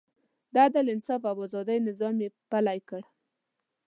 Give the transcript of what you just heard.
د عدل، انصاف او ازادۍ نظام یې پلی کړ.